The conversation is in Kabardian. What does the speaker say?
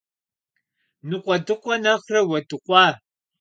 Ныкъуэдыкъуэ нэхърэ уэдыкъуа.